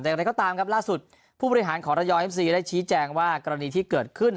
แต่อย่างไรก็ตามครับล่าสุดผู้บริหารของระยองเอฟซีได้ชี้แจงว่ากรณีที่เกิดขึ้น